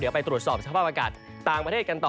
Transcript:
เดี๋ยวไปตรวจสอบสภาพอากาศต่างประเทศกันต่อ